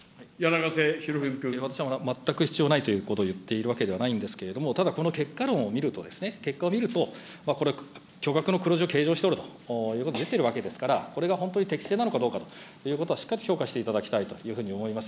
私は全く必要ないということを言っているわけではないんですけれども、ただ、この結果論を見るとですね、結果を見ると、これ、巨額の黒字を計上しておるということが出てるわけですから、これが本当に適正なのかどうかということは、しっかり評価していただきたいというふうに思います。